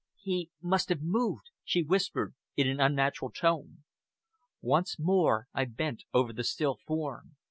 "He must have moved," she whispered in an unnatural tone. Once more I bent over the still form.